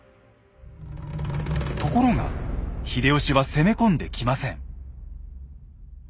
ところが秀吉は攻め込んできません。